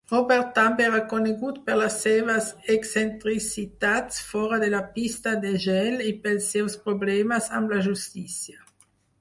Probert també era conegut per les seves excentricitats fora de la pista de gel i pels seus problemes amb la justícia.